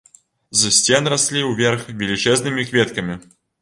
З сцен раслі ўверх велічэзнымі кветкамі!